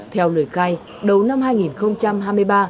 theo lời khai đầu năm hai nghìn hai mươi ba